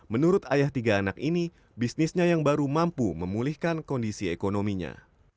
menurut ayah tiga anak ini bisnisnya yang baru mampu memulihkan kondisi ekonominya